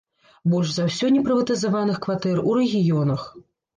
Больш за ўсё непрыватызаваных кватэр у рэгіёнах.